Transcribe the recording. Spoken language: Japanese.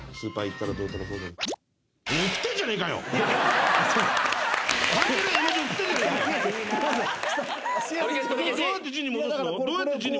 どうやってじゅんに戻すの？